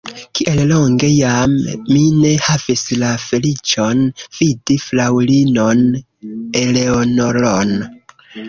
Kiel longe jam mi ne havis la feliĉon vidi fraŭlinon Eleonoron!